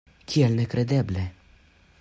Kiel nekredeble!